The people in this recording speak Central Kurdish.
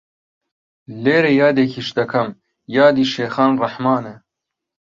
لێرە یادێکیش دەکەم یادی شێخان ڕەحمانە